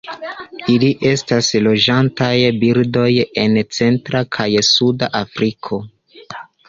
Ili estas loĝantaj birdoj en centra kaj suda Afriko.